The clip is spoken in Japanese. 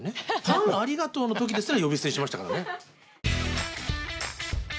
「パンありがとう」の時ですら呼び捨てにしましたからね。